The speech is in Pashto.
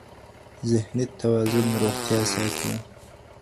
ذهني توازن روغتیا ساتي.